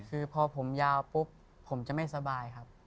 คือพอผมยาวปุ๊บผมจะไม่สบายครับ